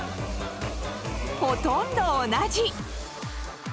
ほとんど同じ！